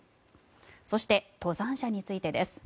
そして、登山者についてです。